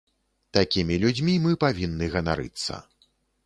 Такімі людзьмі мы павінны ганарыцца.